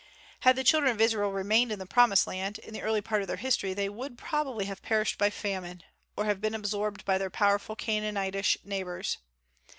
Had the children of Israel remained in the promised land, in the early part of their history, they would probably have perished by famine, or have been absorbed by their powerful Canaanitish neighbors.